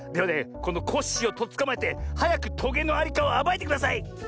このコッシーをとっつかまえてはやくトゲのありかをあばいてください！